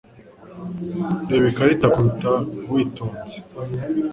Reba ikarita kurukuta witonze.